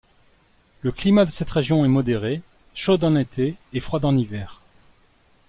Le climat de cette région est modéré, chaude en été et froide en hiver.